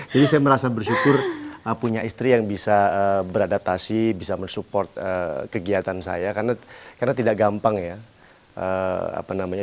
jadi saya merasa bersyukur punya istri yang bisa beradaptasi bisa mensupport kegiatan saya karena tidak gampang ya